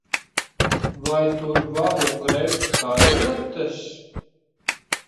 Vai tur varu grebt karotes?